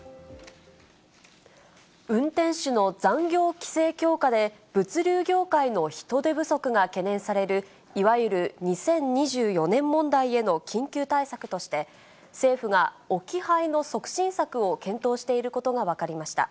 運転手の残業規制強化で、物流業界の人手不足が懸念されるいわゆる２０２４年問題への緊急対策として、政府が置き配の促進策を検討していることが分かりました。